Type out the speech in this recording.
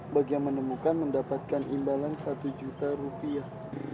bagi yang menemukan mendapatkan imbalan satu juta rupiah